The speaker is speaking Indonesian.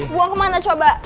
buang kemana coba